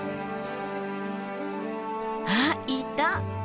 あっいた！